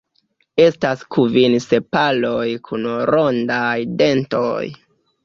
Estas kvin sepaloj kun rondaj dentoj.